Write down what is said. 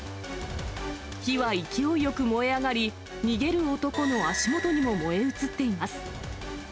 火は勢いよく燃え上がり、逃げる男の足元にも燃え移っています。